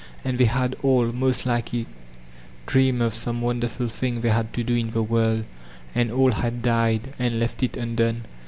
And they had all, most likely, dreamed of some wonderful thing they had to do in the world, and all had died and left it undone.